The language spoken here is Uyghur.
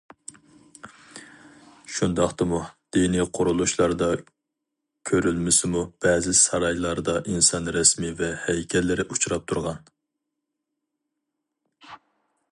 شۇنداقتىمۇ دىنىي قۇرۇلۇشلاردا كۆرۈلمىسىمۇ، بەزى سارايلاردا ئىنسان رەسىمى ۋە ھەيكەللىرى ئۇچراپ تۇرغان.